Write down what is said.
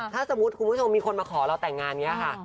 ถ้าสมมุติคุณผู้ชมมีคนมาขอเราแต่งงานอย่างนี้ค่ะ